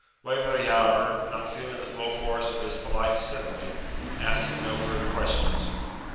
Waverley, however, not feeling the full force of this polite simile, asked him no further questions.